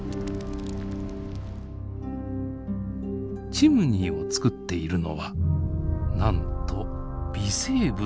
チムニーを作っているのはなんと微生物だというのです。